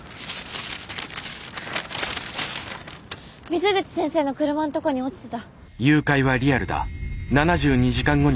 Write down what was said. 水口先生の車のとこに落ちてた。